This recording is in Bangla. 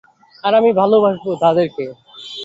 আর আমি ভালোবাসবো তাদেরকে।